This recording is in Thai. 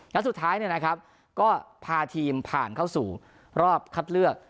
แล้วสุดท้ายก็พาทีมผ่านเข้าสู่รอบคัดเลือก